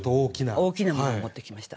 大きなものを持ってきました。